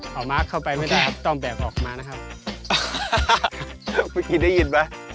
ขอมากเข้าไปไม่ได้ต้องแบกออกมานะครับพี่ได้ยินไหม